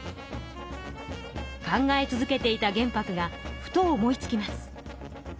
考え続けていた玄白がふと思いつきます。